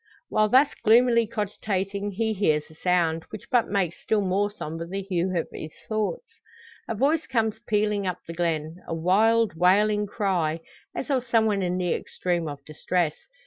While thus gloomily cogitating he hears a sound, which but makes still more sombre the hue of his thoughts. A voice comes pealing up the glen a wild, wailing cry, as of some one in the extreme of distress.